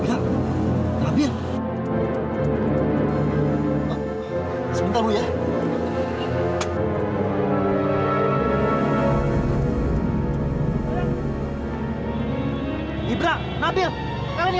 disuruh ibu barka ngemis